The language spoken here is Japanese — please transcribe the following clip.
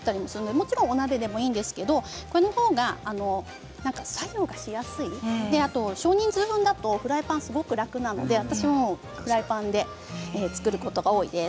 もちろんお鍋でもいいですけれどもこのほうが作業がしやすいあと少人数分だとフライパンがすごく楽なので私はフライパンで作ることが多いです。